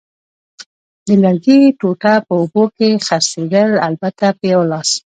د لرګي ټوټه په اوبو کې څرخېدل، البته په یوه لاس.